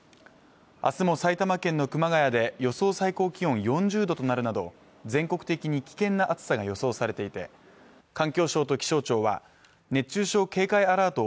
明日も埼玉県の熊谷で予想最高気温４０度となるなど全国的に危険な暑さが予想されていて環境省と気象庁は熱中症警戒アラート